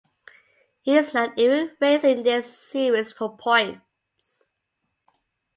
He's not even racing this series for points.